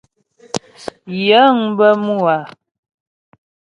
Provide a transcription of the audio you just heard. Yəŋ bə mû a.